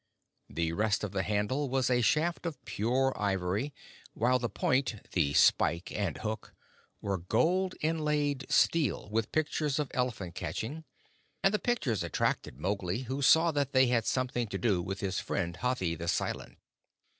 The rest of the handle was a shaft of pure ivory, while the point the spike and hook was gold inlaid steel with pictures of elephant catching; and the pictures attracted Mowgli, who saw that they had something to do with his friend Hathi the Silent.